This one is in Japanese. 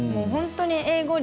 英語力